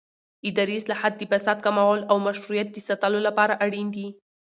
اداري اصلاحات د فساد کمولو او مشروعیت د ساتلو لپاره اړین دي